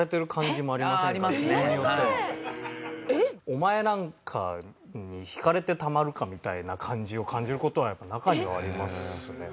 お前なんかに弾かれてたまるかみたいな感じを感じる事は中にはありますね